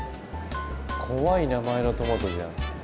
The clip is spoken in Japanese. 怖い名前のトマトじゃん。